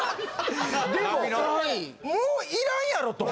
でももういらんやろと。